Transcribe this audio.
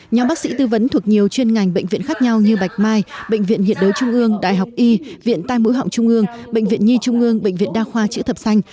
nhóm bác sĩ tư vấn thuộc nhiều chuyên ngành bệnh viện khác nhau như bạch mai bệnh viện hiện đối trung ương đại học y viện tai mũi họng trung ương bệnh viện nhi trung ương bệnh viện đa khoa chữ thập xanh